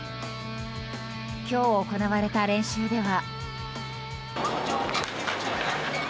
今日、行われた練習では。